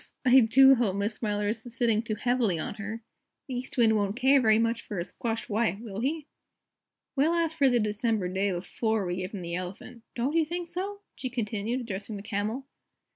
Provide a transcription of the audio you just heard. I do hope Miss Smiler isn't sitting too heavily on her; the East Wind won't care very much for a squashed wife, will he?" "We'll ask for the December day before we give him the Elephant, don't you think so?" she continued, addressing the Camel.